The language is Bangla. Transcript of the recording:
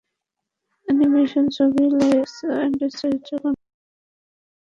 অ্যানিমেশন ছবি লোরেক্স-এ অড্রে চরিত্রে কণ্ঠ দিয়েছিলেন যুক্তরাষ্ট্রের গায়িকা টেলর সুইফট।